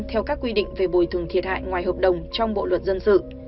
theo các quy định về bồi thường thiệt hại ngoài hợp đồng trong bộ luật dân sự